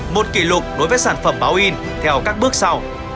một kỷ lục đối với sản phẩm báo in theo các bước sau